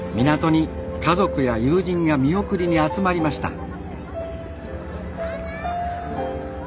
港に家族や友人が見送りに集まりました。